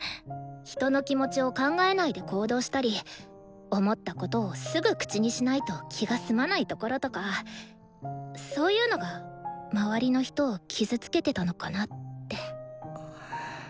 人の気持ちを考えないで行動したり思ったことをすぐ口にしないと気が済まないところとかそういうのが周りの人を傷つけてたのかなって。